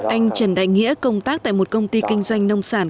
anh trần đại nghĩa công tác tại một công ty kinh doanh nông sản